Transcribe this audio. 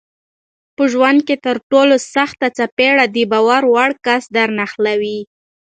په ژوند کې ترټولو سخته څپېړه دباور وړ کس درنښلوي